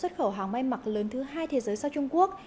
xuất khẩu hàng may mặc lớn thứ hai thế giới sau trung quốc